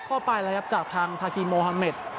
เข้าไปแล้วครับจากทางทาคีโมฮาเมด